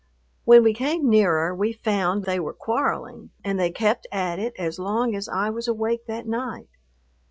When we came nearer, we found they were quarreling, and they kept at it as long as I was awake that night.